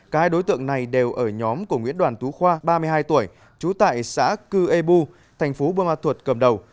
cả hai đối tượng này đều ở nhóm của nguyễn đoàn tú khoa ba mươi hai tuổi chú tại xã cư ê bu tp buôn ma thuật cầm đầu